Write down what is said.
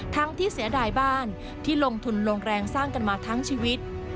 ที่เสียดายบ้านที่ลงทุนลงแรงสร้างกันมาทั้งชีวิต